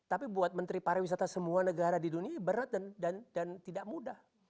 tapi buat menteri pariwisata semua negara di dunia ini berat dan tidak mudah